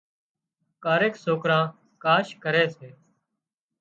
ڪاريڪ سوڪران ڪاش ڪري سي